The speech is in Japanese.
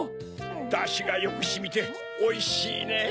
ダシがよくしみておいしいねぇ。